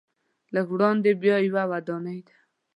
لږ وړاندې بیا یوه ودانۍ ده.